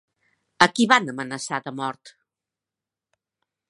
A qui van amenaçar de mort?